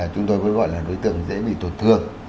chúng tôi mới gọi là đối tượng dễ bị tổn thương